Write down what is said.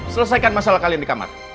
selesaikan masalah kalian di kamar